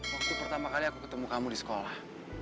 waktu pertama kali aku ketemu kamu di sekolah